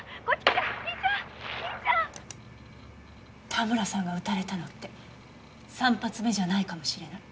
田村さんが撃たれたのって３発目じゃないかもしれない。